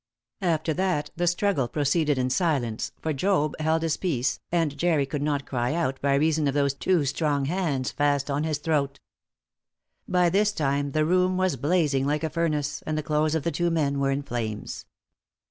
After that the struggle proceeded in silence, for Job held his peace, and Jerry could not cry out by reason of those two strong hands fast on his throat. By this time the room was blazing like a furnace, and the clothes of the two men were in flames.